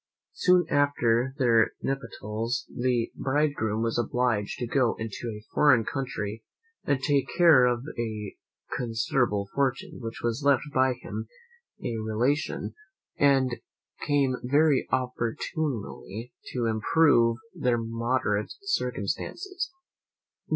Soon after their nuptials the bridegroom was obliged to go into a foreign country, to take care of a considerable fortune, which was left him by a relation, and came very opportunely to improve their moderate circumstances.